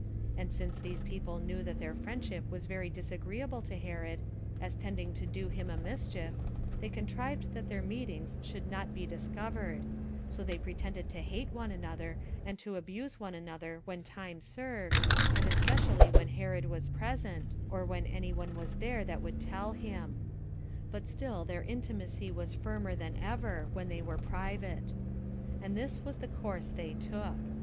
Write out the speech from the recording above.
And since these people knew that their friendship was very disagreeable to Herod, as tending to do him a mischief, they contrived that their meetings should not be discovered; so they pretended to hate one another, and to abuse one another when time served, and especially when Herod was present, or when any one was there that would tell him: but still their intimacy was firmer than ever, when they were private. And this was the course they took.